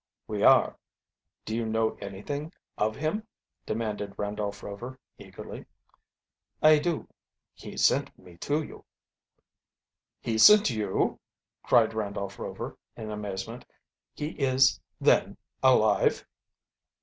"We are. Do you know anything of him?" demanded Randolph Rover eagerly. "I do. He sent me to you." "He sent you!" cried Randolph Rover in amazement. "He is, then, alive?"